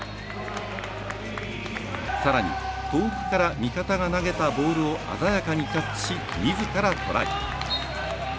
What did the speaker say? さらに、遠くから味方が投げたボールを鮮やかにキャッチしみずからトライ。